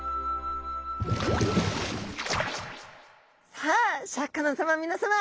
さあシャーク香音さま皆さま！